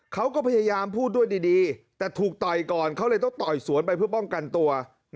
เขาก็พยายามพูดด้วยดีแต่ถูกต่อยก่อนเขาเลยต้องต่อยสวนไปเพื่อป้องกันตัว